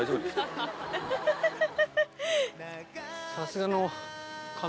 さすがの。